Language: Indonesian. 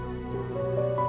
gimana sih orang tuanya